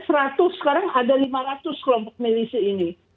sekarang ada lima ratus kelompok milisi ini